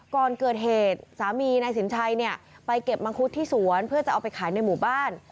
ก่อนเกิดเหตุสามีนายสินชัยเนี่ยไปเก็บมังคุดที่สวนเพื่อจะเอาไปขายในหมู่บ้าน